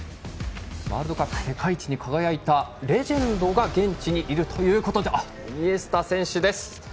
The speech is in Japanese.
ワールドカップ世界一に輝いたレジェンドが現地にいるということでイニエスタ選手です。